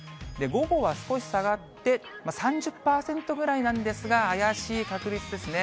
午後は少し下がって３０％ぐらいなんですが、怪しい確率ですね。